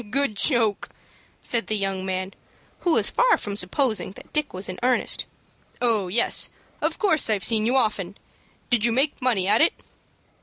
"Good joke!" said the young man, who was far from supposing that Dick was in earnest. "Oh, yes, of course I've seen you often! Did you make money at it?"